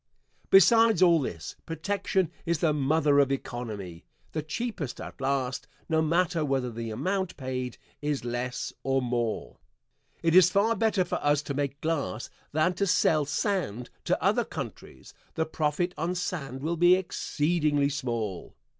Besides all this, protection is the mother of economy; the cheapest at last, no matter whether the amount paid is less or more. It is far better for us to make glass than to sell sand to other countries; the profit on sand will be exceedingly small.